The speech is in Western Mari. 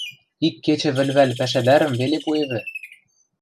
Ик кечӹ вӹлвӓл пӓшӓдӓрӹм веле пуэвӹ.